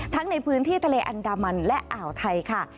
ในพื้นที่ทะเลอันดามันและอ่าวไทยค่ะ